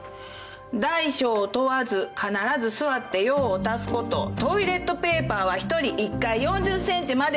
「大小問わず必ず座って用を足すこと」「トイレットペーパーは一人一回４０センチまでとする」